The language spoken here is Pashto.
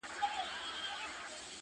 نور پر کمبله راته مه ږغوه.!